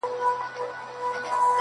لکه ما چي خپل سکه وروڼه وژلي!.